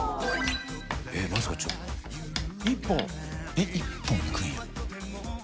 えっ１本いくんや。